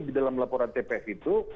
di dalam laporan tps itu